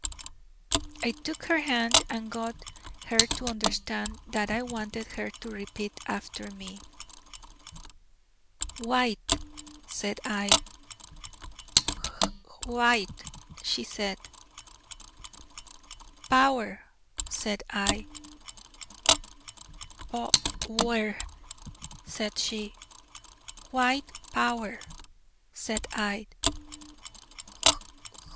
'" I took her hand, and got her to understand that I wanted her to repeat after me. "White," said I. "Hwhite," said she. 'Power,' said I. 'Pow wer,' said she. 'White Power,' said I.